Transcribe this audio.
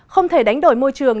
không thể đánh đổi môi trường